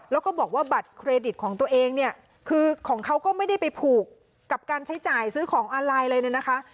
แล้วก็บอกว่าบัตรเครดิตของตัวเองเนี่ยคือของเขาก็ไม่ได้ไปผูกกับการใช้จ่ายซื้อของออนไลน์อะไรเนี่ยนะคะ